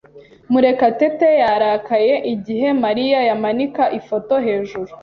Murekatete yararakaye igihe Mariya yamanika ifoto hejuru.